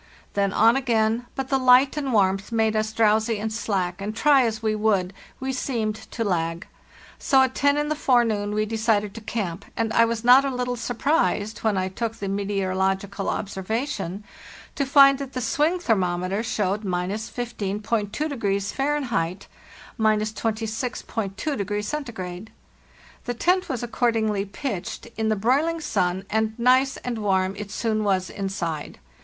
Then on again, but the light and warmth made us drowsy and slack, and, try as we would, we seemed to lag; so at ten in the forenoon we decided to camp, and I was not a little surprised, when I took the meteorological observa tion, to find that the swing thermometer showed ~ 15.2" Fahr. (—26.2° C.). The tent was accordingly pitched in the broiling sun, and nice and warm it soon was inside.